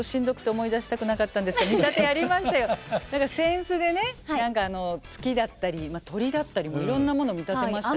何か扇子でね月だったり鳥だったりもいろんなもの見立てましたよ。